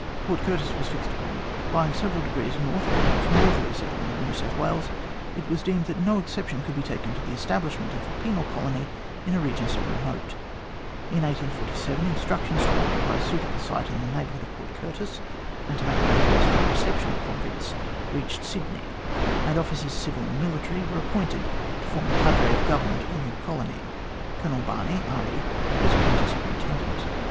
Port Curtis was fixed upon. Lying several degrees north of the most northerly settlement of New South Wales, it was deemed that no exception could be taken to the establishment of a penal colony in a region so remote. In 1847, instructions to occupy a suitable site in the neighbourhood of Port Curtis, and to make arrangements for the reception of convicts, reached Sydney; and officers, civil and military, were appointed to form the cadre of government of the new colony. Colonel Barney, RE., was appointed Superintendent.